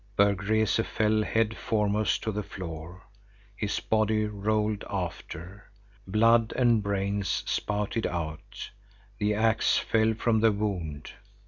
Berg Rese fell head foremost to the floor, his body rolled after. Blood and brains spouted out, the axe fell from the wound.